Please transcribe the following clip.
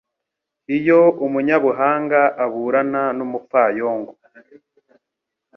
Iyo umunyabuhanga aburana n’umupfayongo